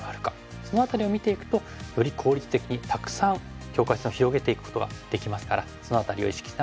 その辺りを見ていくとより効率的にたくさん境界線を広げていくことができますからその辺りを意識しながら打って下さい。